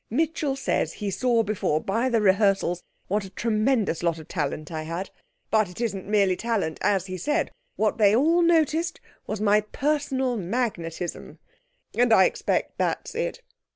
Mitchell says he saw before, by the rehearsals, what a tremendous lot of talent I had. But it isn't merely talent, as he said; what they all noticed was my Personal Magnetism and I expect that's it.